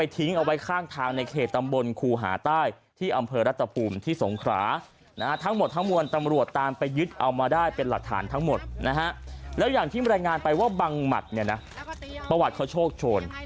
ทั้งหมดทั้งมวลตำรวจตามไปยึดเอามาได้เป็นหลักฐานทั้งหมดนะฮะแล้วอย่างที่มันรายงานไปว่าบางหมัดเนี่ยนะประวัติเขาโชคโชน